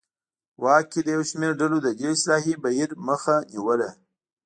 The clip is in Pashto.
واک کې یو شمېر ډلو د دې اصلاحي بهیر مخه نیوله.